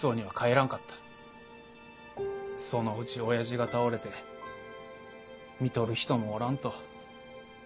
そのうちおやじが倒れてみとる人もおらんと。